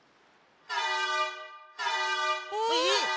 えっ！？